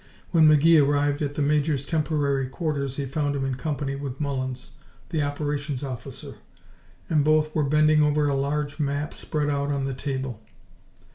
When McGee arrived at the Major's temporary quarters he found him in company with Mullins, the Operations officer, and both were bending over a large map spread out on the table.